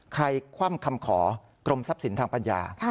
คว่ำคำขอกรมทรัพย์สินทางปัญญา